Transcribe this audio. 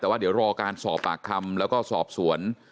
แต่ว่าเดี๋ยวรอการสอบปากคำแล้วก็สอบสวน